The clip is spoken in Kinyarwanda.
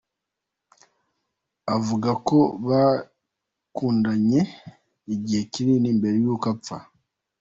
Avuga ko bakundanye igihe kinini mbere y’uko apfa.